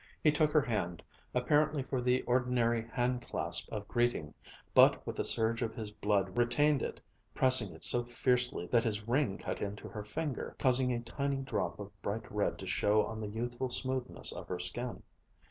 He took her hand, apparently for the ordinary handclasp of greeting, but with a surge of his blood retained it, pressing it so fiercely that his ring cut into her finger, causing a tiny drop of bright red to show on the youthful smoothness of her skin.